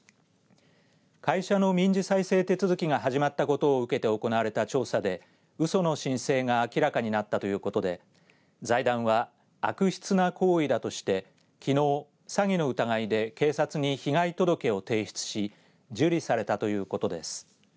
会社の民事再生手続きが始まったことを受けて行われた調査でうその申請が明らかになったということで財団は悪質な行為だとしてきのう、詐欺の疑いで警察に被害届を提出し受理されたということです。